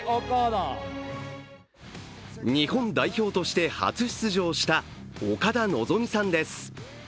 日本代表として初出場した岡田望さんです。